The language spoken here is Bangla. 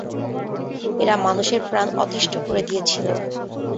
এরা মানুষের প্রাণ অতিষ্ঠ করে দিয়েছিল।